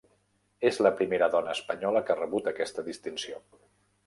És la primera dona espanyola que ha rebut aquesta distinció.